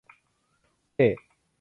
เท่